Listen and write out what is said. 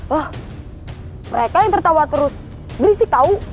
wah mereka yang tertawa terus berisik tau